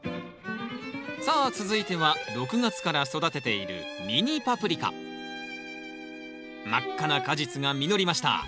さあ続いては６月から育てている真っ赤な果実が実りました。